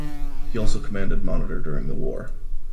He also commanded monitor during the war.